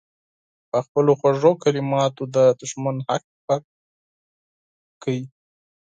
په خپلو خوږو کلماتو دې دښمن هک پک کړي.